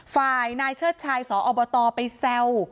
ฝ่ายนายเชิดชายสอบตไปแซว